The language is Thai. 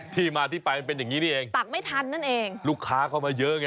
ที่มาที่ไปมันเป็นอย่างนี้เองลูกค้าเข้ามาเยอะไง